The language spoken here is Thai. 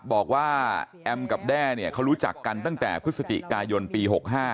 บอกว่าแอมกับแด้เนี่ยเขารู้จักกันตั้งแต่พฤศจิกายนปี๖๕